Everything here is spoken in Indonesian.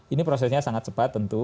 ini prosesnya sangat cepat tentu